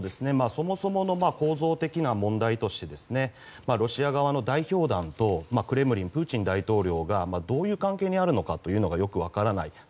そもそも構造的な問題としてロシア側の代表団とクレムリンプーチン大統領がどういう関係にあるのかよく分からない。